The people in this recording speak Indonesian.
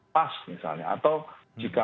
pas misalnya atau jika